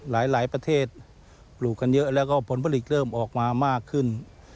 หลายประเทศปลูกกันเยอะแล้วก็ผลผลิตเริ่มออกมามากขึ้น